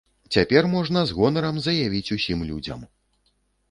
Цяпер можна з гонарам заявіць усім людзям.